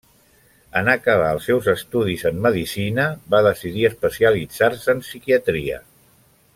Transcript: En acabar els seus estudis en medicina, va decidir especialitzar-se en psiquiatria.